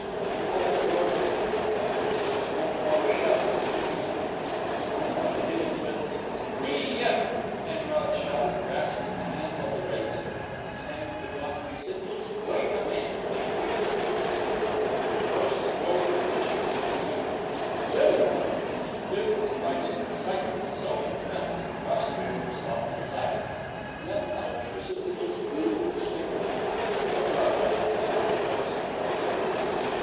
"You hold the doors open," he commanded, "so's they won't blow shut and keep him in here. I'm goin' to hit him with " "Quee yut!" Penrod shouted, grasping the handle of the rake so that Sam could not use it. "Wait a minute, can't you?" He turned with ferocious voice and gestures upon Duke. "Duke!" And Duke, in spite of his excitement, was so impressed that he prostrated himself in silence, and then unobtrusively withdrew from the stable. Penrod ran to the alley doors and closed them.